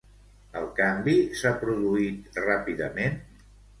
El canvi s'ha produït ràpidament?